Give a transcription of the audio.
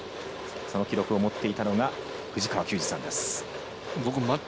その記録を持っていたのが藤川球児さんです。